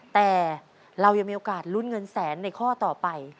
แต่เรายังมีโอกาสลุ้นเงินแสนในข้อต่อไป